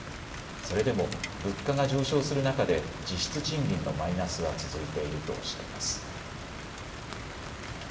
それでも物価が上昇する中で実質賃金のマイナスは続いているとしています。